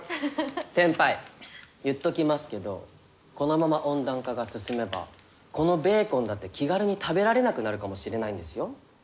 先輩言っときますけどこのまま温暖化が進めばこのベーコンだって気軽に食べられなくなるかもしれないんですよ。